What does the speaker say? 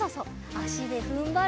あしでふんばるよ！